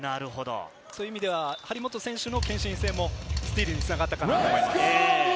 そういう意味では張本選手の献身性もスティールにつながったかなと思います。